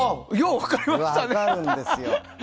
分かるんですよ。